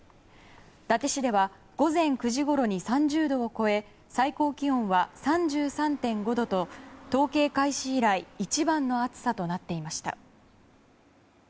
伊達市では午前９時ごろに３０度を超え最高気温は３３．５度と統計開始以来一番の暑さとなっていました。